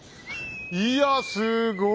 いやすごい。